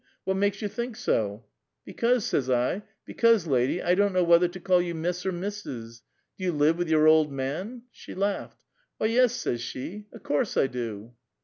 What makes you think so ?'* Because,' says I, ' because, lady, I don't know whetlier to call 3'ou Miss or Mrs. Do you live with your old man?' She laughed. 'Why, yes, says she, 'o' course I do.'"